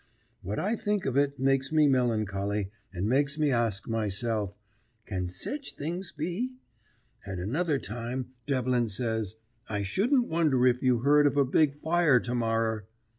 What I think of it makes me melancholy, and makes me ask myself, "Can sech things be?" At another time Devlin says, "I shouldn't wonder if you heard of a big fire to morrer."